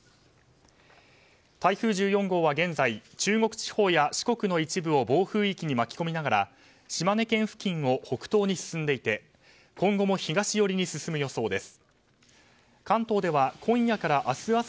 台風１４号は現在、中国地方や四国の一部を暴風域に巻き込みながら島根県付近を北東に進んでいて今後も東寄りに進む予想です。